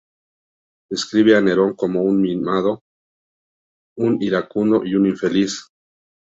Describe a Nerón como un mimado, un iracundo y un infeliz.